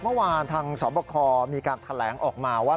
เมื่อวานทางสอบคอมีการแถลงออกมาว่า